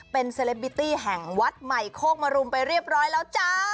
เป็นเซลบบิตี้แห่งวัดใหม่โคกมรุมไปเรียบร้อยแล้วจ้า